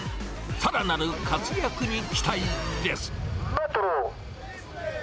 さらなる活躍に期待です。